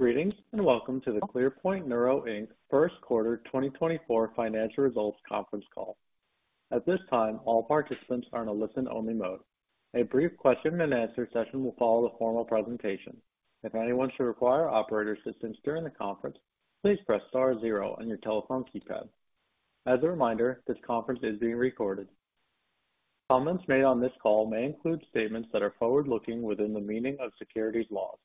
Greetings and welcome to the ClearPoint Neuro Inc. Q1 2024 Financial Results Conference Call. At this time, all participants are in a listen-only mode. A brief question-and-answer session will follow the formal presentation. If anyone should require operator assistance during the conference, please press star zero on your telephone keypad. As a reminder, this conference is being recorded. Comments made on this call may include statements that are forward-looking within the meaning of securities laws.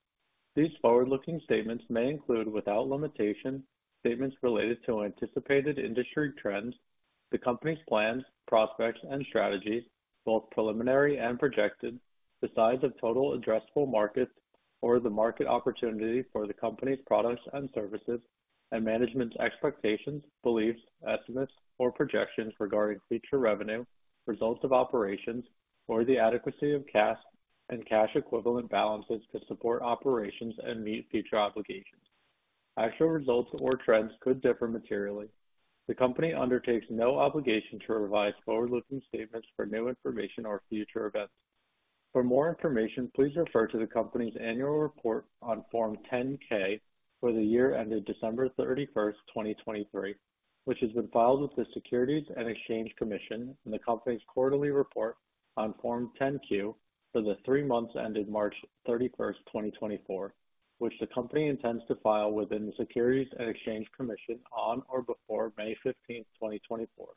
These forward-looking statements may include, without limitation, statements related to anticipated industry trends, the company's plans, prospects, and strategies, both preliminary and projected, the size of total addressable markets or the market opportunity for the company's products and services, and management's expectations, beliefs, estimates, or projections regarding future revenue, results of operations, or the adequacy of cash and cash equivalent balances to support operations and meet future obligations. Actual results or trends could differ materially. The company undertakes no obligation to revise forward-looking statements for new information or future events. For more information, please refer to the company's annual report on Form 10-K for the year ended December 31st, 2023, which has been filed with the Securities and Exchange Commission, and the company's quarterly report on Form 10-Q for the three months ended March 31, 2024, which the company intends to file with the Securities and Exchange Commission on or before May 15, 2024.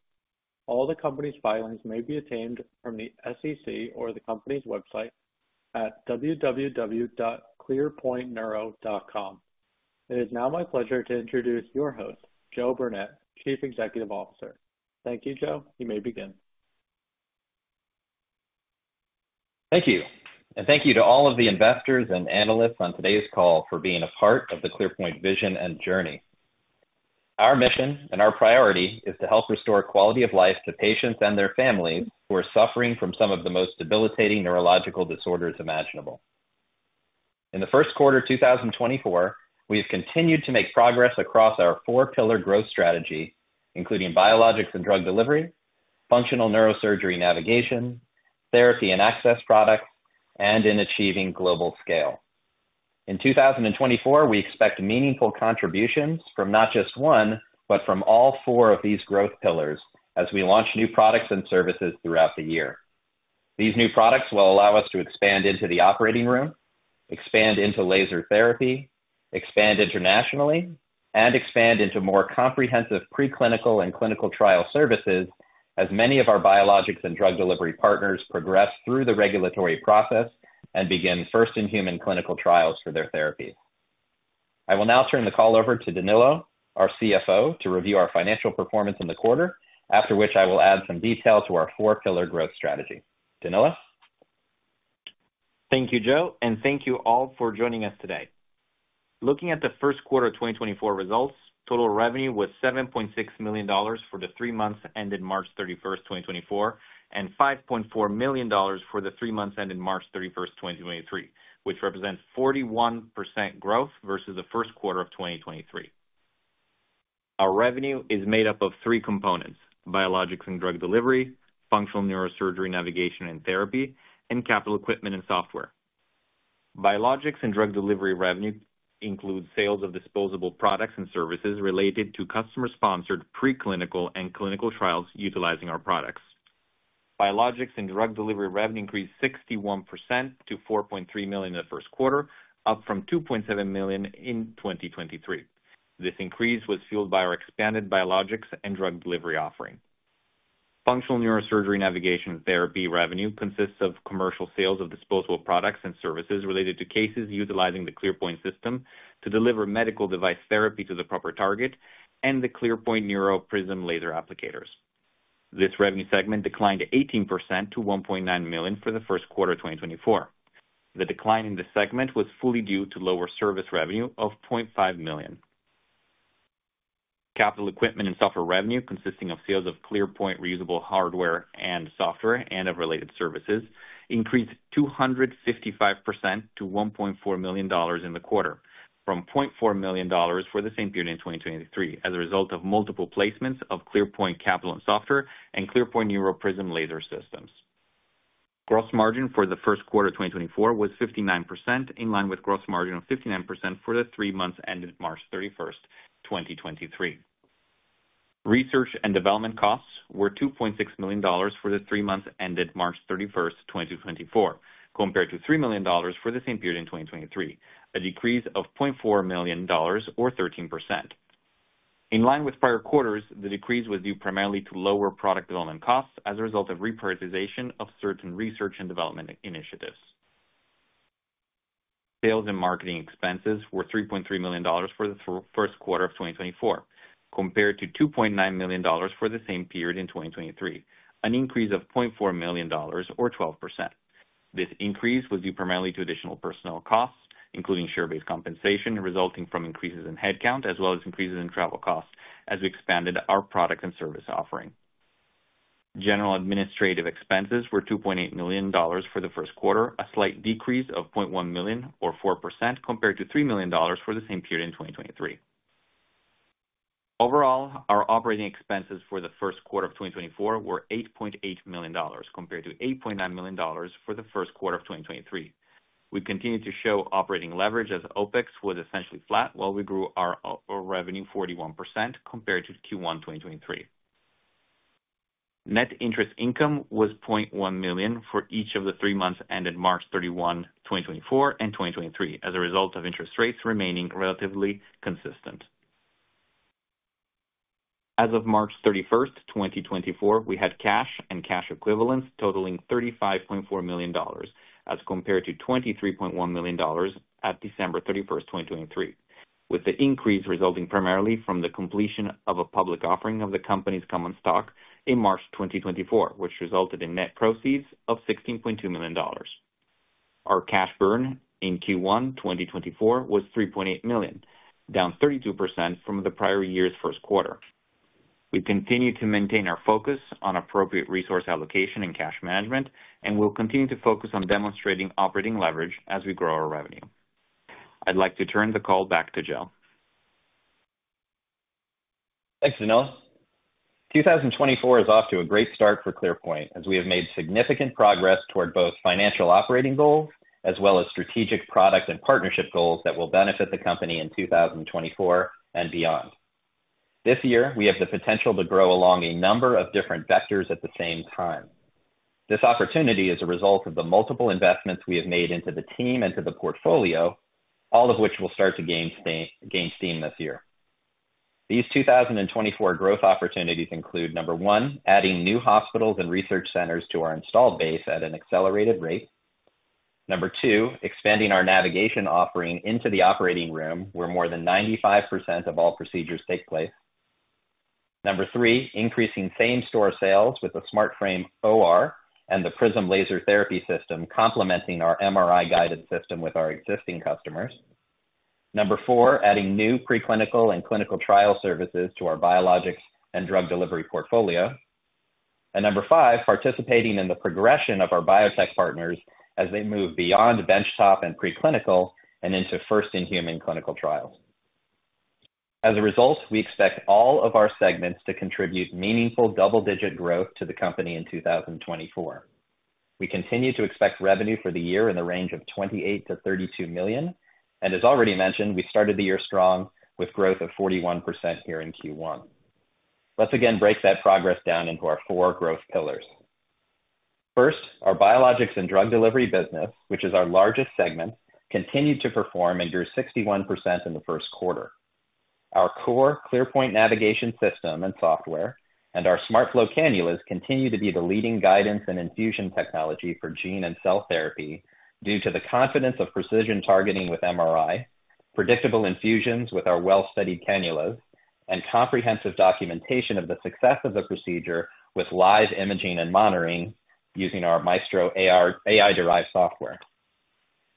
All the company's filings may be obtained from the SEC or the company's website at www.clearpointneuro.com. It is now my pleasure to introduce your host, Joe Burnett, Chief Executive Officer. Thank you, Joe. You may begin. Thank you. And thank you to all of the investors and analysts on today's call for being a part of the ClearPoint vision and journey. Our mission and our priority is to help restore quality of life to patients and their families who are suffering from some of the most debilitating neurological disorders imaginable. In the Q1 2024, we have continued to make progress across our four-pillar growth strategy, including Biologics and Drug Delivery, Functional Neurosurgery Navigation, Therapy and Access Products, and in achieving Global Scaling. In 2024, we expect meaningful contributions from not just one, but from all four of these growth pillars as we launch new products and services throughout the year. These new products will allow us to expand into the operating room, expand into laser therapy, expand internationally, and expand into more comprehensive preclinical and clinical trial services as many of our biologics and drug delivery partners progress through the regulatory process and begin first-in-human clinical trials for their therapies. I will now turn the call over to Danilo, our CFO, to review our financial performance in the quarter, after which I will add some detail to our four-pillar growth strategy. Danilo? Thank you, Joe, and thank you all for joining us today. Looking at the Q1 2024 results, total revenue was $7.6 million for the three months ended March 31, 2024, and $5.4 million for the three months ended March 31st, 2023, which represents 41% growth versus the Q1 of 2023. Our revenue is made up of three components: biologics and drug delivery, Functional Neurosurgery Navigation and therapy, and capital equipment and software. Biologics and drug delivery revenue includes sales of disposable products and services related to customer-sponsored preclinical and clinical trials utilizing our products. Biologics and drug delivery revenue increased 61% to $4.3 million in the Q1, up from $2.7 million in 2023. This increase was fueled by our expanded biologics and drug delivery offering. Functional Neurosurgery Navigation and therapy revenue consists of commercial sales of disposable products and services related to cases utilizing the ClearPoint system to deliver medical device therapy to the proper target and the ClearPoint Prism laser applicators. This revenue segment declined 18% to $1.9 million for the Q1 2024. The decline in this segment was fully due to lower service revenue of $0.5 million. Capital equipment and software revenue, consisting of sales of ClearPoint reusable hardware and software and of related services, increased 255% to $1.4 million in the quarter, from $0.4 million for the same period in 2023 as a result of multiple placements of ClearPoint capital and software and ClearPoint Prism laser systems. Gross margin for the Q1 2024 was 59%, in line with gross margin of 59% for the three months ended March 31, 2023. Research and development costs were $2.6 million for the three months ended March 31st, 2024, compared to $3 million for the same period in 2023, a decrease of $0.4 million or 13%. In line with prior quarters, the decrease was due primarily to lower product development costs as a result of reprioritization of certain research and development initiatives. Sales and marketing expenses were $3.3 million for the Q1 of 2024, compared to $2.9 million for the same period in 2023, an increase of $0.4 million or 12%. This increase was due primarily to additional personnel costs, including share-based compensation resulting from increases in headcount as well as increases in travel costs as we expanded our product and service offering. General administrative expenses were $2.8 million for the Q1, a slight decrease of $0.1 million or 4% compared to $3 million for the same period in 2023. Overall, our operating expenses for the Q1 of 2024 were $8.8 million compared to $8.9 million for the Q1 of 2023. We continue to show operating leverage as OpEx was essentially flat while we grew our revenue 41% compared to Q1 2023. Net interest income was $0.1 million for each of the three months ended March 31, 2024, and 2023 as a result of interest rates remaining relatively consistent. As of March 31st, 2024, we had cash and cash equivalents totaling $35.4 million as compared to $23.1 million at December 31, 2023, with the increase resulting primarily from the completion of a public offering of the company's common stock in March 2024, which resulted in net proceeds of $16.2 million. Our cash burn in Q1 2024 was $3.8 million, down 32% from the prior year's Q1. We continue to maintain our focus on appropriate resource allocation and cash management, and we'll continue to focus on demonstrating operating leverage as we grow our revenue. I'd like to turn the call back to Joe. Thanks, Danilo. 2024 is off to a great start for ClearPoint as we have made significant progress toward both financial operating goals as well as strategic product and partnership goals that will benefit the company in 2024 and beyond. This year, we have the potential to grow along a number of different vectors at the same time. This opportunity is a result of the multiple investments we have made into the team and to the portfolio, all of which will start to gain steam this year. These 2024 growth opportunities include, number one, adding new hospitals and research centers to our installed base at an accelerated rate. Number 2, expanding our navigation offering into the operating room where more than 95% of all procedures take place. Number 3, increasing same-store sales with the SmartFrame OR and the Prism laser therapy system complementing our MRI-guided system with our existing customers. Number 4, adding new preclinical and clinical trial services to our biologics and drug delivery portfolio. And number 5, participating in the progression of our biotech partners as they move beyond benchtop and preclinical and into first-in-human clinical trials. As a result, we expect all of our segments to contribute meaningful double-digit growth to the company in 2024. We continue to expect revenue for the year in the range of $28-$32 million. As already mentioned, we started the year strong with growth of 41% here in Q1. Let's again break that progress down into our four growth pillars. First, our biologics and drug delivery business, which is our largest segment, continued to perform and grew 61% in the Q1. Our core ClearPoint navigation system and software and our SmartFlow cannulas continue to be the leading guidance and infusion technology for gene and cell therapy due to the confidence of precision targeting with MRI, predictable infusions with our well-studied cannulas, and comprehensive documentation of the success of the procedure with live imaging and monitoring using our Maestro AI-derived software.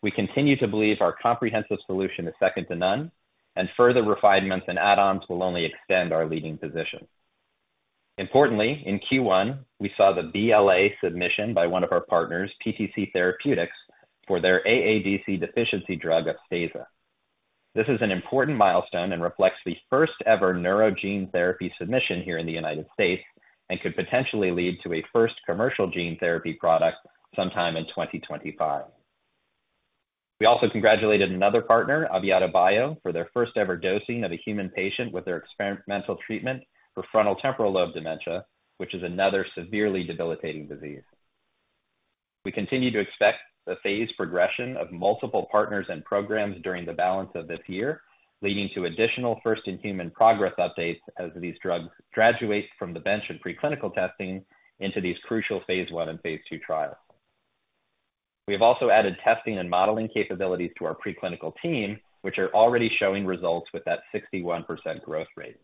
We continue to believe our comprehensive solution is second to none, and further refinements and add-ons will only extend our leading position. Importantly, in Q1, we saw the BLA submission by one of our partners, PTC Therapeutics, for their AADC deficiency drug Upstaza. This is an important milestone and reflects the first-ever neuro gene therapy submission here in the United States and could potentially lead to a first commercial gene therapy product sometime in 2025. We also congratulated another partner, AviadoBio, for their first-ever dosing of a human patient with their experimental treatment for frontotemporal dementia, which is another severely debilitating disease. We continue to expect the phased progression of multiple partners and programs during the balance of this year, leading to additional first-in-human progress updates as these drugs graduate from the bench of preclinical testing into these crucial Phase 1 and Phase 2 trials. We have also added testing and modeling capabilities to our preclinical team, which are already showing results with that 61% growth rate.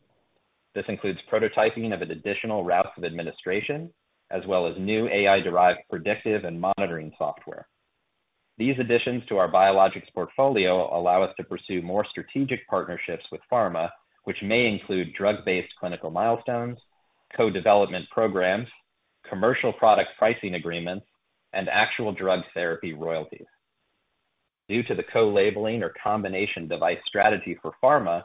This includes prototyping of an additional route of administration as well as new AI-derived predictive and monitoring software. These additions to our biologics portfolio allow us to pursue more strategic partnerships with pharma, which may include drug-based clinical milestones, co-development programs, commercial product pricing agreements, and actual drug therapy royalties. Due to the co-labeling or combination device strategy for pharma,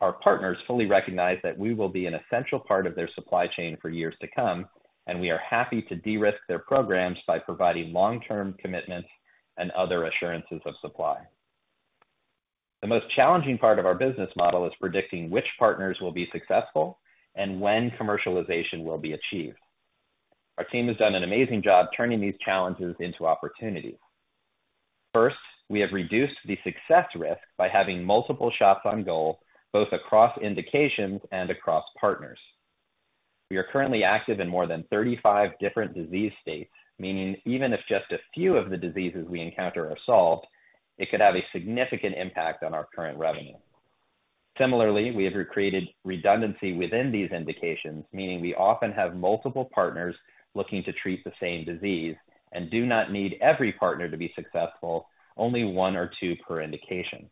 our partners fully recognize that we will be an essential part of their supply chain for years to come, and we are happy to de-risk their programs by providing long-term commitments and other assurances of supply. The most challenging part of our business model is predicting which partners will be successful and when commercialization will be achieved. Our team has done an amazing job turning these challenges into opportunities. First, we have reduced the success risk by having multiple shots on goal both across indications and across partners. We are currently active in more than 35 different disease states, meaning even if just a few of the diseases we encounter are solved, it could have a significant impact on our current revenue. Similarly, we have recreated redundancy within these indications, meaning we often have multiple partners looking to treat the same disease and do not need every partner to be successful, only one or two per indication.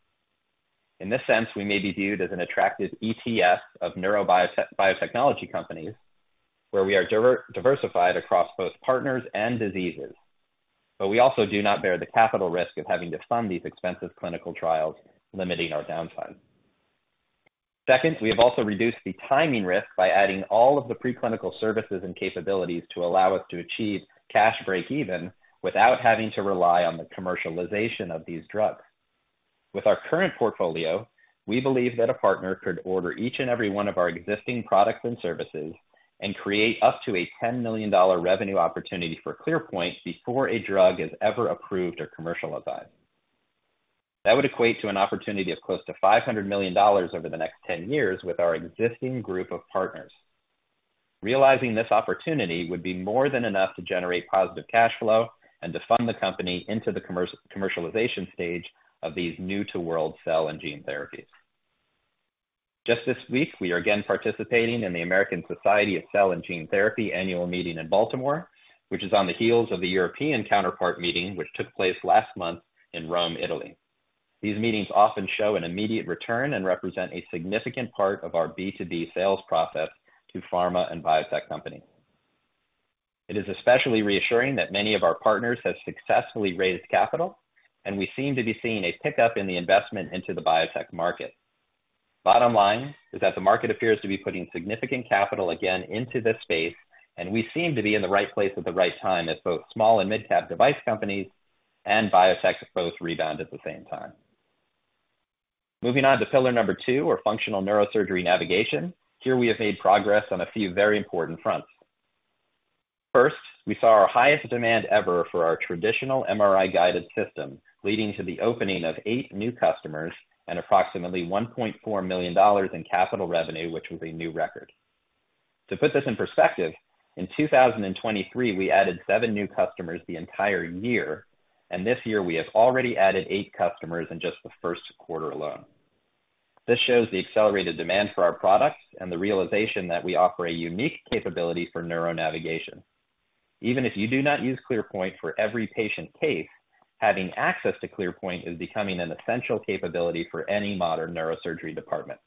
In this sense, we may be viewed as an attractive ETF of neurobiotechnology companies where we are diversified across both partners and diseases, but we also do not bear the capital risk of having to fund these expensive clinical trials limiting our downside. Second, we have also reduced the timing risk by adding all of the preclinical services and capabilities to allow us to achieve cash break-even without having to rely on the commercialization of these drugs. With our current portfolio, we believe that a partner could order each and every one of our existing products and services and create up to a $10 million revenue opportunity for ClearPoint before a drug is ever approved or commercialized. That would equate to an opportunity of close to $500 million over the next 10 years with our existing group of partners. Realizing this opportunity would be more than enough to generate positive cash flow and to fund the company into the commercialization stage of these new-to-world cell and gene therapies. Just this week, we are again participating in the American Society of Gene & Cell Therapy annual meeting in Baltimore, which is on the heels of the European counterpart meeting which took place last month in Rome, Italy. These meetings often show an immediate return and represent a significant part of our B2B sales process to pharma and biotech companies. It is especially reassuring that many of our partners have successfully raised capital, and we seem to be seeing a pickup in the investment into the biotech market. Bottom line is that the market appears to be putting significant capital again into this space, and we seem to be in the right place at the right time as both small and mid-cap device companies and biotech both rebound at the same time. Moving on to pillar number 2 or Functional Neurosurgery Navigation, here we have made progress on a few very important fronts. First, we saw our highest demand ever for our traditional MRI-guided system, leading to the opening of 8 new customers and approximately $1.4 million in capital revenue, which was a new record. To put this in perspective, in 2023, we added 7 new customers the entire year, and this year we have already added 8 customers in just the Q1 alone. This shows the accelerated demand for our products and the realization that we offer a unique capability for neuronavigation. Even if you do not use ClearPoint for every patient case, having access to ClearPoint is becoming an essential capability for any modern neurosurgery department.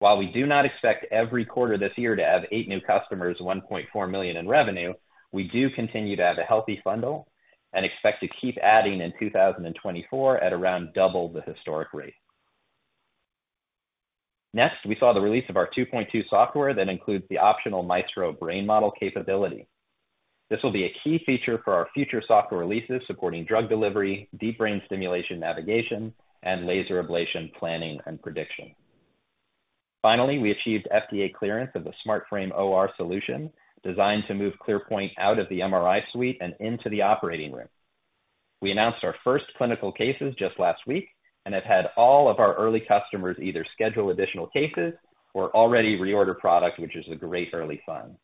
While we do not expect every quarter this year to have 8 new customers and $1.4 million in revenue, we do continue to have a healthy funnel and expect to keep adding in 2024 at around double the historic rate. Next, we saw the release of our 2.2 software that includes the optional Maestro brain model capability. This will be a key feature for our future software releases supporting drug delivery, deep brain stimulation navigation, and laser ablation planning and prediction. Finally, we achieved FDA clearance of the SmartFrame OR solution designed to move ClearPoint out of the MRI suite and into the operating room. We announced our first clinical cases just last week and have had all of our early customers either schedule additional cases or already reorder product, which is a great early sign.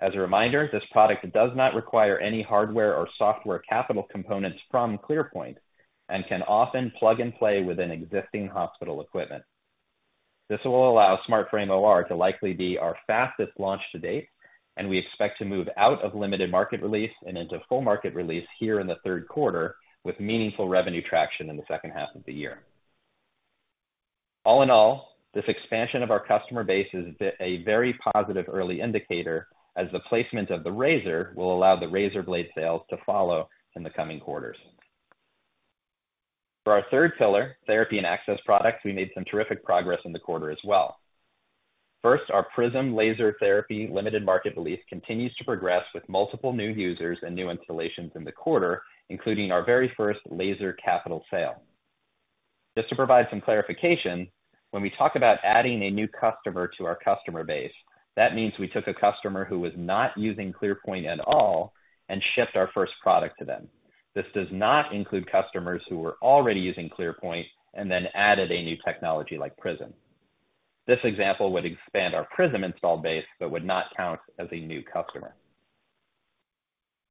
As a reminder, this product does not require any hardware or software capital components from ClearPoint and can often plug and play within existing hospital equipment. This will allow SmartFrame OR to likely be our fastest launch to date, and we expect to move out of limited market release and into full market release here in the Q3 with meaningful revenue traction in the second half of the year. All in all, this expansion of our customer base is a very positive early indicator as the placement of the razor will allow the razor blade sales to follow in the coming quarters. For our third pillar, Therapy and Access Products, we made some terrific progress in the quarter as well. First, our Prism Laser Therapy limited market release continues to progress with multiple new users and new installations in the quarter, including our very first laser capital sale. Just to provide some clarification, when we talk about adding a new customer to our customer base, that means we took a customer who was not using ClearPoint at all and shipped our first product to them. This does not include customers who were already using ClearPoint and then added a new technology like Prism. This example would expand our Prism installed base but would not count as a new customer.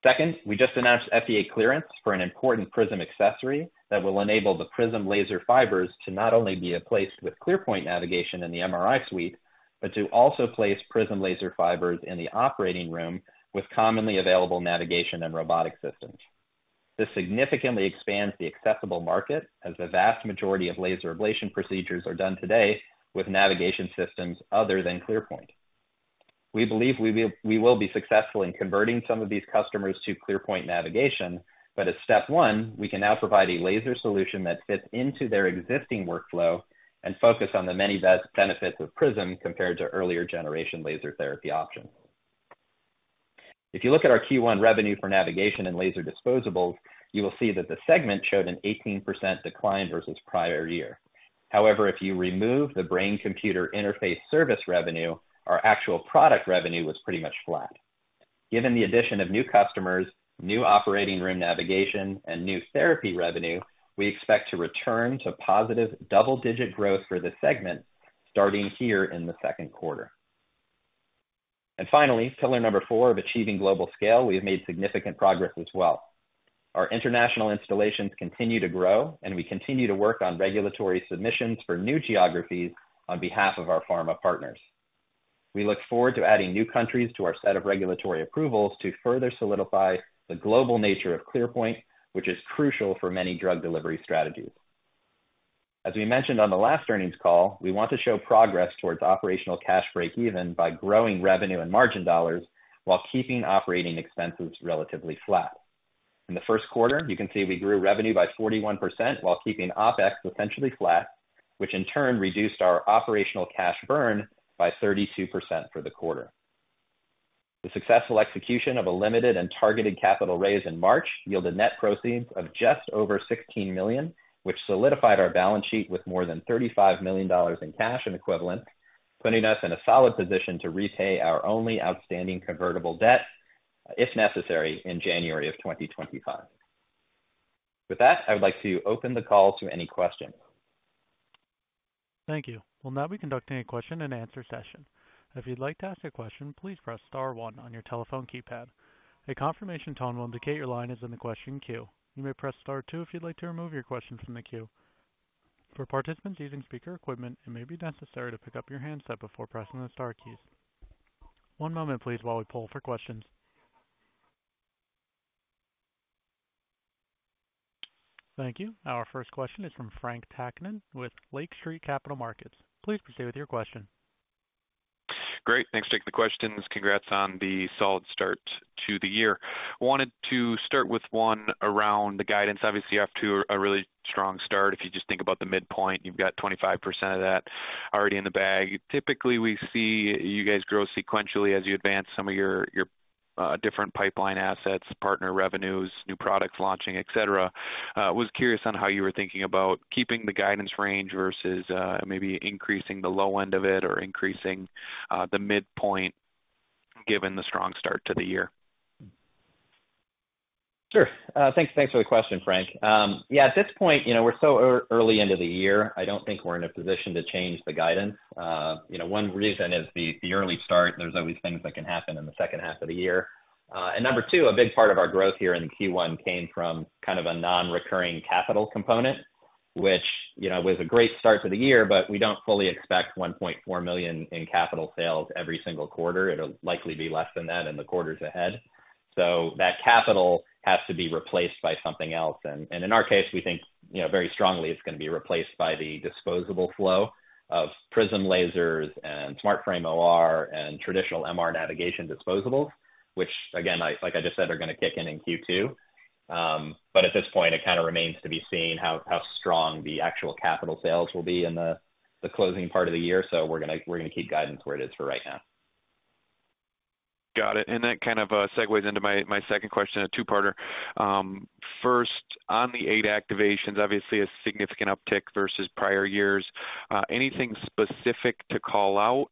Second, we just announced FDA clearance for an important Prism accessory that will enable the Prism laser fibers to not only be placed with ClearPoint navigation in the MRI suite but to also place Prism laser fibers in the operating room with commonly available navigation and robotic systems. This significantly expands the accessible market as the vast majority of laser ablation procedures are done today with navigation systems other than ClearPoint. We believe we will be successful in converting some of these customers to ClearPoint navigation, but as step one, we can now provide a laser solution that fits into their existing workflow and focus on the many benefits of Prism compared to earlier generation laser therapy options. If you look at our Q1 revenue for navigation and laser disposables, you will see that the segment showed an 18% decline versus prior year. However, if you remove the brain-computer interface service revenue, our actual product revenue was pretty much flat. Given the addition of new customers, new operating room navigation, and new therapy revenue, we expect to return to positive double-digit growth for this segment starting here in the Q2. And finally, pillar number 4 of achieving global scale, we have made significant progress as well. Our international installations continue to grow, and we continue to work on regulatory submissions for new geographies on behalf of our pharma partners. We look forward to adding new countries to our set of regulatory approvals to further solidify the global nature of ClearPoint, which is crucial for many drug delivery strategies. As we mentioned on the last earnings call, we want to show progress towards operational cash break-even by growing revenue and margin dollars while keeping operating expenses relatively flat. In the Q1, you can see we grew revenue by 41% while keeping OpEx essentially flat, which in turn reduced our operational cash burn by 32% for the quarter. The successful execution of a limited and targeted capital raise in March yielded net proceeds of just over $16 million, which solidified our balance sheet with more than $35 million in cash and equivalent, putting us in a solid position to repay our only outstanding convertible debt if necessary in January of 2025. With that, I would like to open the call to any questions. Thank you. We'll now be conducting a question-and-answer session. If you'd like to ask a question, please press star one on your telephone keypad. A confirmation tone will indicate your line is in the question queue. You may press star two if you'd like to remove your question from the queue. For participants using speaker equipment, it may be necessary to pick up your handset before pressing the star keys. One moment, please, while we pull for questions. Thank you. Our first question is from Frank Takkinen with Lake Street Capital Markets. Please proceed with your question. Great. Thanks for taking the questions. Congrats on the solid start to the year. Wanted to start with one around the guidance. Obviously, you had a really strong start. If you just think about the midpoint, you've got 25% of that already in the bag. Typically, we see you guys grow sequentially as you advance some of your different pipeline assets, partner revenues, new products launching, etc. I was curious on how you were thinking about keeping the guidance range versus maybe increasing the low end of it or increasing the midpoint given the strong start to the year? Sure. Thanks for the question, Frank. Yeah, at this point, we're so early into the year, I don't think we're in a position to change the guidance. One reason is the early start. There's always things that can happen in the second half of the year. And number two, a big part of our growth here in the Q1 came from kind of a non-recurring capital component, which was a great start to the year, but we don't fully expect $1.4 million in capital sales every single quarter. It'll likely be less than that in the quarters ahead. So that capital has to be replaced by something else. And in our case, we think very strongly it's going to be replaced by the disposable flow of Prism lasers and SmartFrame OR and traditional MR navigation disposables, which, again, like I just said, are going to kick in in Q2. But at this point, it kind of remains to be seen how strong the actual capital sales will be in the closing part of the year. So we're going to keep guidance where it is for right now. Got it. And that kind of segues into my second question, a 2-parter. First, on the 8 activations, obviously a significant uptick versus prior years. Anything specific to call out?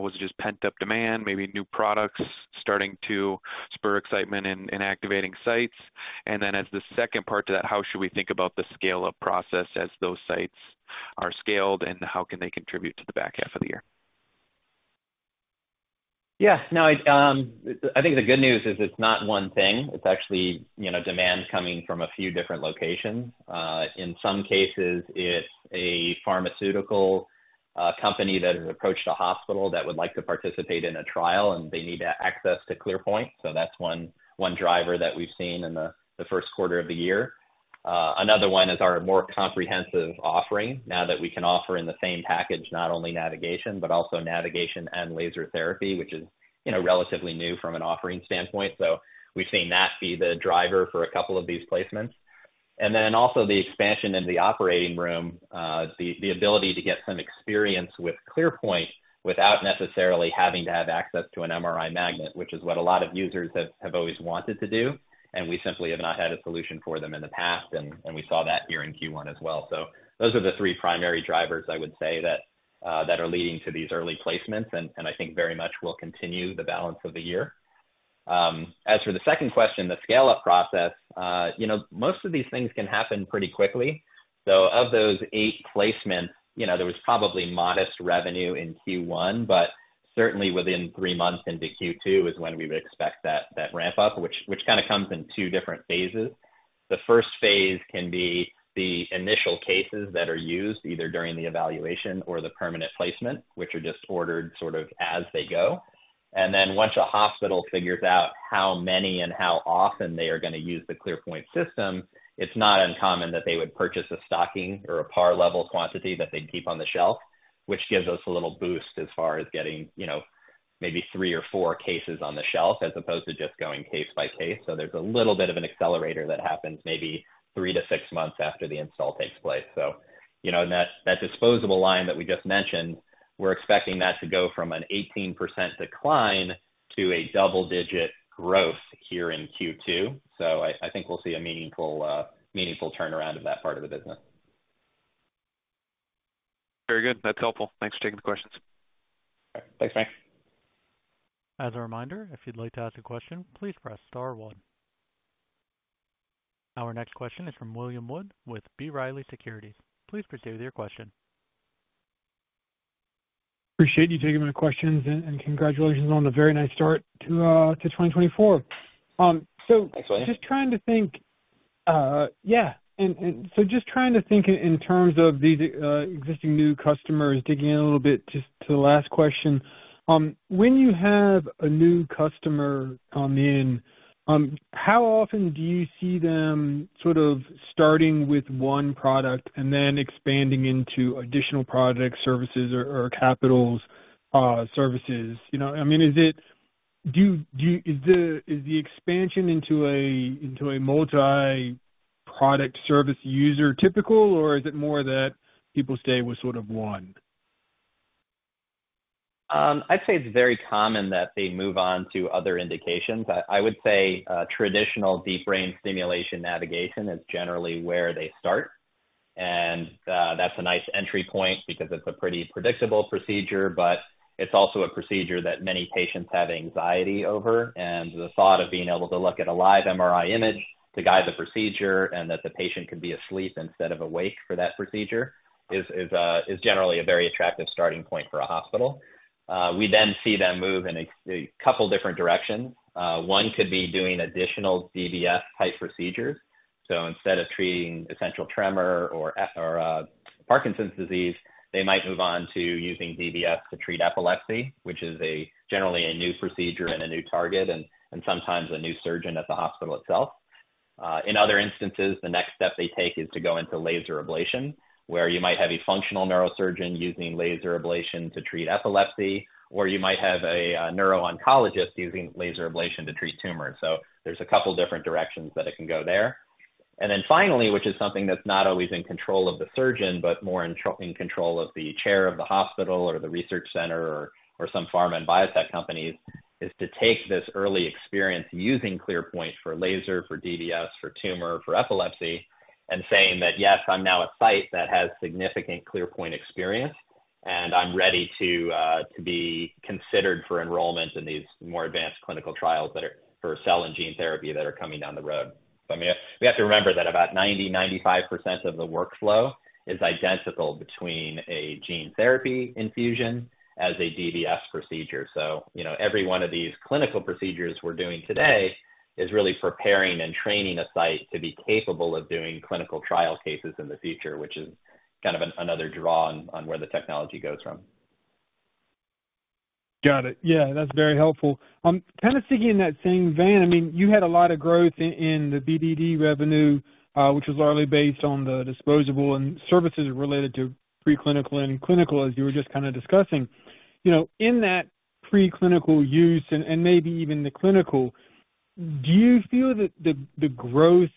Was it just pent-up demand, maybe new products starting to spur excitement in activating sites? And then as the second part to that, how should we think about the scale-up process as those sites are scaled and how can they contribute to the back half of the year? Yeah. No, I think the good news is it's not one thing. It's actually demand coming from a few different locations. In some cases, it's a pharmaceutical company that has approached a hospital that would like to participate in a trial, and they need access to ClearPoint. So that's one driver that we've seen in the Q1 of the year. Another one is our more comprehensive offering now that we can offer in the same package not only navigation but also navigation and laser therapy, which is relatively new from an offering standpoint. So we've seen that be the driver for a couple of these placements. And then also the expansion in the operating room, the ability to get some experience with ClearPoint without necessarily having to have access to an MRI magnet, which is what a lot of users have always wanted to do, and we simply have not had a solution for them in the past. And we saw that here in Q1 as well. So those are the three primary drivers, I would say, that are leading to these early placements and I think very much will continue the balance of the year. As for the second question, the scale-up process, most of these things can happen pretty quickly. So of those eight placements, there was probably modest revenue in Q1, but certainly within three months into Q2 is when we would expect that ramp-up, which kind of comes in two different phases. The first phase can be the initial cases that are used either during the evaluation or the permanent placement, which are just ordered sort of as they go. And then once a hospital figures out how many and how often they are going to use the ClearPoint system, it's not uncommon that they would purchase a stocking or a par-level quantity that they'd keep on the shelf, which gives us a little boost as far as getting maybe three or four cases on the shelf as opposed to just going case by case. So there's a little bit of an accelerator that happens maybe three to six months after the install takes place. So in that disposable line that we just mentioned, we're expecting that to go from an 18% decline to a double-digit growth here in Q2. I think we'll see a meaningful turnaround of that part of the business. Very good. That's helpful. Thanks for taking the questions. Thanks, Frank. As a reminder, if you'd like to ask a question, please press star one. Our next question is from William Wood with B. Riley Securities. Please proceed with your question. Appreciate you taking my questions and congratulations on a very nice start to 2024. So just trying to think in terms of these existing new customers, digging in a little bit just to the last question. When you have a new customer come in, how often do you see them sort of starting with one product and then expanding into additional products, services, or capital services? I mean, is the expansion into a multi-product service user typical, or is it more that people stay with sort of one? I'd say it's very common that they move on to other indications. I would say traditional deep brain stimulation navigation is generally where they start. That's a nice entry point because it's a pretty predictable procedure, but it's also a procedure that many patients have anxiety over. The thought of being able to look at a live MRI image to guide the procedure and that the patient can be asleep instead of awake for that procedure is generally a very attractive starting point for a hospital. We then see them move in a couple of different directions. One could be doing additional DBS-type procedures. Instead of treating essential tremor or Parkinson's disease, they might move on to using DBS to treat epilepsy, which is generally a new procedure and a new target and sometimes a new surgeon at the hospital itself. In other instances, the next step they take is to go into laser ablation, where you might have a functional neurosurgeon using laser ablation to treat epilepsy, or you might have a neurooncologist using laser ablation to treat tumors. So there's a couple of different directions that it can go there. Then finally, which is something that's not always in control of the surgeon but more in control of the chair of the hospital or the research center or some pharma and biotech companies, is to take this early experience using ClearPoint for laser, for DBS, for tumor, for epilepsy, and saying that, "Yes, I'm now a site that has significant ClearPoint experience, and I'm ready to be considered for enrollment in these more advanced clinical trials for cell and gene therapy that are coming down the road." So I mean, we have to remember that about 90%-95% of the workflow is identical between a gene therapy infusion as a DBS procedure. So every one of these clinical procedures we're doing today is really preparing and training a site to be capable of doing clinical trial cases in the future, which is kind of another draw on where the technology goes from. Got it. Yeah, that's very helpful. Kind of sticking in that same vein, I mean, you had a lot of growth in the BDD revenue, which was largely based on the disposable and services related to preclinical and clinical, as you were just kind of discussing. In that preclinical use and maybe even the clinical, do you feel that the growth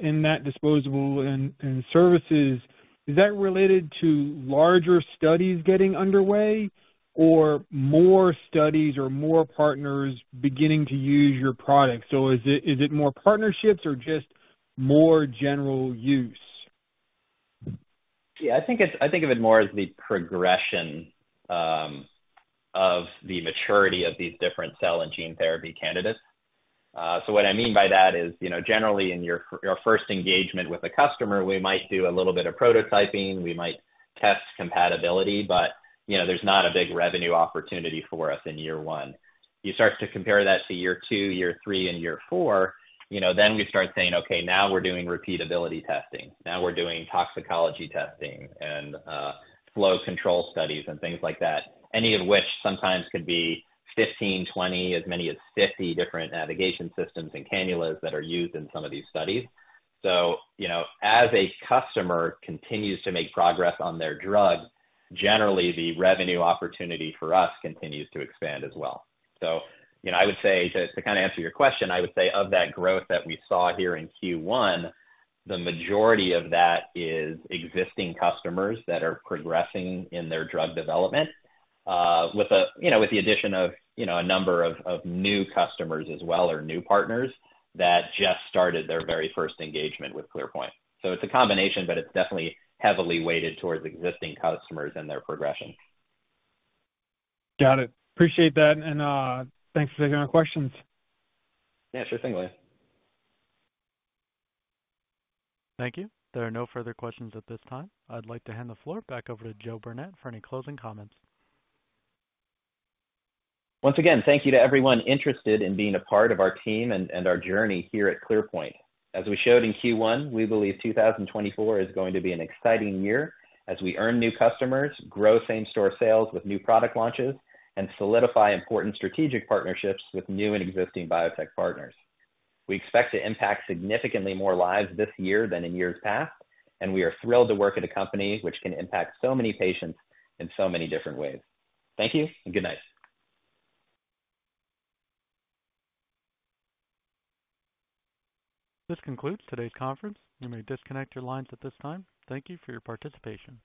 in that disposable and services, is that related to larger studies getting underway or more studies or more partners beginning to use your product? So is it more partnerships or just more general use? Yeah, I think of it more as the progression of the maturity of these different cell and gene therapy candidates. So what I mean by that is, generally, in your first engagement with a customer, we might do a little bit of prototyping. We might test compatibility, but there's not a big revenue opportunity for us in year 1. You start to compare that to year 2, year 3, and year 4, then we start saying, "Okay, now we're doing repeatability testing. Now we're doing toxicology testing and flow control studies and things like that," any of which sometimes could be 15, 20, as many as 50 different navigation systems and cannulas that are used in some of these studies. So as a customer continues to make progress on their drug, generally, the revenue opportunity for us continues to expand as well. So I would say to kind of answer your question, I would say of that growth that we saw here in Q1, the majority of that is existing customers that are progressing in their drug development with the addition of a number of new customers as well or new partners that just started their very first engagement with ClearPoint. So it's a combination, but it's definitely heavily weighted towards existing customers and their progression. Got it. Appreciate that. Thanks for taking my questions. Yeah, sure thing, William. Thank you. There are no further questions at this time. I'd like to hand the floor back over to Joe Burnett for any closing comments. Once again, thank you to everyone interested in being a part of our team and our journey here at ClearPoint. As we showed in Q1, we believe 2024 is going to be an exciting year as we earn new customers, grow same-store sales with new product launches, and solidify important strategic partnerships with new and existing biotech partners. We expect to impact significantly more lives this year than in years past, and we are thrilled to work at a company which can impact so many patients in so many different ways. Thank you and good night. This concludes today's conference. You may disconnect your lines at this time. Thank you for your participation.